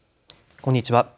こんにちは。